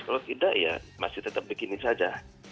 kalau tidak ya masih tetap begini saja